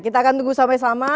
kita akan tunggu sampai selama